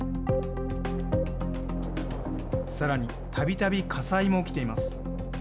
さらにたびたび火災も起きています。